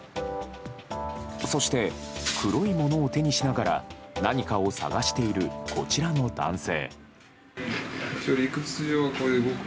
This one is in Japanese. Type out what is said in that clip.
そして、黒いものを手にしながら何かを探しているこちらの男性。